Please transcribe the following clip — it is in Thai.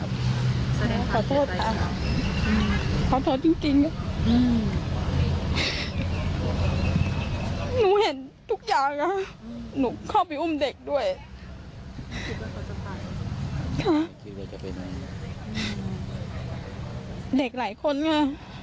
เด็กหลายคนนะ